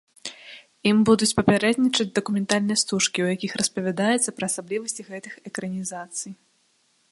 Ім будуць папярэднічаць дакументальныя стужкі, у якіх распавядаецца пра асаблівасці гэтых экранізацый.